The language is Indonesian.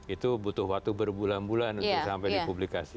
itu butuh waktu berbulan bulan untuk sampai di publikasi